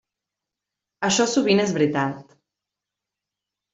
Això sovint és veritat.